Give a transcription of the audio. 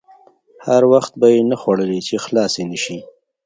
هر وخت به یې نه خوړلې چې خلاصې نه شي.